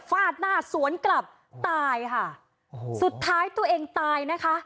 ฟาดหน้าสวนกลับตายค่ะสุดท้ายตัวเองตายนะคะ